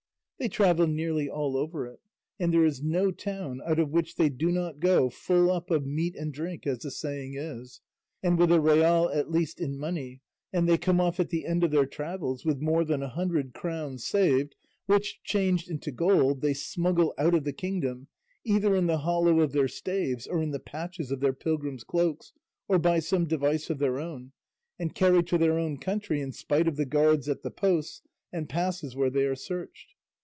They travel nearly all over it, and there is no town out of which they do not go full up of meat and drink, as the saying is, and with a real, at least, in money, and they come off at the end of their travels with more than a hundred crowns saved, which, changed into gold, they smuggle out of the kingdom either in the hollow of their staves or in the patches of their pilgrim's cloaks or by some device of their own, and carry to their own country in spite of the guards at the posts and passes where they are searched.